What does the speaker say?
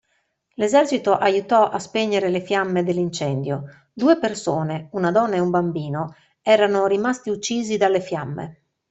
L'esercito aiutò a spegnere le fiamme dell'incendio: due persone, una donna e un bambino, erano rimasti uccisi dalle fiamme.